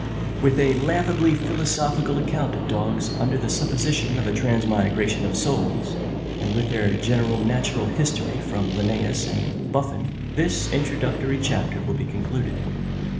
With a laughably philosophical account of dogs, under the supposition of a transmigration of souls, and with their general natural history from Linnæus and Buffon, this introductory chapter will be concluded.